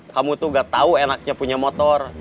kamu tuh gak tahu enaknya punya motor